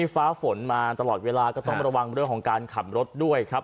ฟ้าฝนมาตลอดเวลาก็ต้องระวังเรื่องของการขับรถด้วยครับ